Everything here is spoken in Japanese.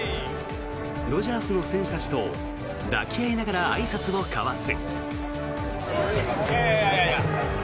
ドジャースの選手たちと抱き合いながらあいさつを交わす。